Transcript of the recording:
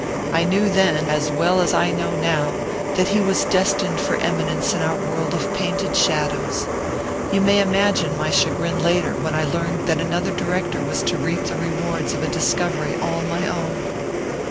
I knew then, as well as I know now, that he was destined for eminence in our world of painted shadows. You may imagine my chagrin later when I learned that another director was to reap the rewards of a discovery all my own.